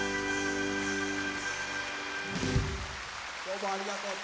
どうもありがとう！